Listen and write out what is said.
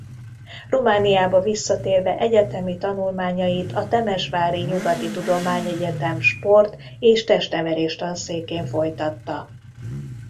Romániába visszatérve egyetemi tanulmányait a Temesvári Nyugati Tudományegyetem Sport és testnevelés tanszékén folytatta.